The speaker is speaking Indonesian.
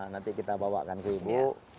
nanti kita bawakan ke ibu